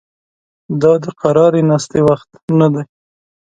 دا د قرارې ناستې وخت نه دی